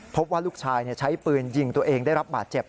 พบว่าลูกชายใช้ปืนยิงตัวเองได้รับบาดเจ็บ